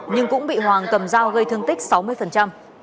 nhưng cũng bị hoàng cầm dao gây thương tích sáu mươi